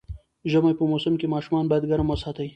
ژمی په موسم کې ماشومان باید ګرم وساتي